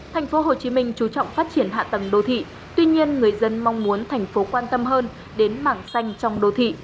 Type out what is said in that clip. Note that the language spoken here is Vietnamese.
thành phố hồ chí minh chú trọng phát triển hạ tầng đô thị tuy nhiên người dân mong muốn thành phố quan tâm hơn đến mảng xanh trong đô thị